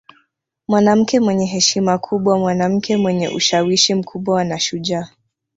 Mwanamke mwenye heshima kubwa mwanamke mwenye ushawishi mkubwa na shujaa